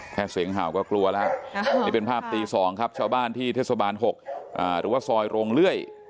แค่เสียงเห่าก็กลัวแล้วนี่เป็นภาพตี๒ครับชาวบ้านที่เทศบาล๖หรือว่าซอยโรงเลื่อย